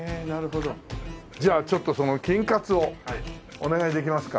じゃあちょっとその金カツをお願いできますか？